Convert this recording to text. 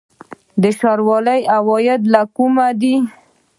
د ښاروالۍ عواید له کومه دي؟